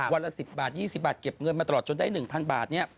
วันละ๑๐บาท๒๐บาทเก็บเงินมาตลอดจนได้๑๐๐บาท